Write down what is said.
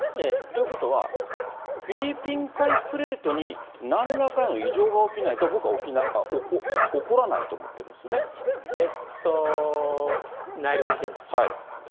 ということは、フィリピン海プレートになんらかの異常が起きないと、僕は起こらえっと、内陸地震ですか？